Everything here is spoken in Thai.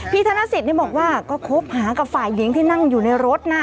ธนสิทธิ์บอกว่าก็คบหากับฝ่ายหญิงที่นั่งอยู่ในรถนะ